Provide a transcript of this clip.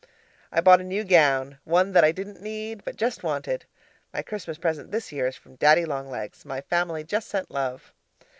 I bought a new gown one that I didn't need, but just wanted. My Christmas present this year is from Daddy Long Legs; my family just sent love.